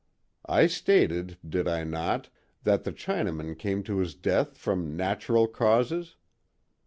"I stated, did I not, that the Chinaman came to his death from natural causes?